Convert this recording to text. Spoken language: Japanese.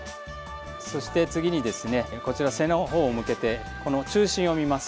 そして次に背のほうを向けて中心を見ます。